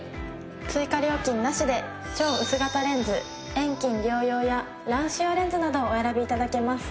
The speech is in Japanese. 追加料金なしで超薄型レンズ遠近両用や乱視用レンズなどをお選び頂けます。